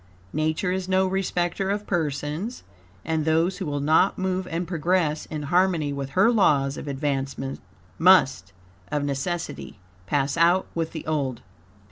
Nature is no respecter of persons, and those who will not move and progress, in harmony with her laws of advancement, must, of necessity, pass out with the old.